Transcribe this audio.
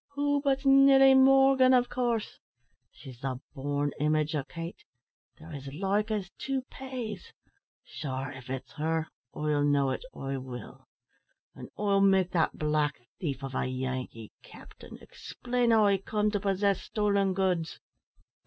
"Who but Nelly Morgan, av course. She's the born image o' Kate. They're as like as two paise. Sure av it's her, I'll know it, I will; an' I'll make that black thief of a Yankee explain how he comed to possess stolen goods."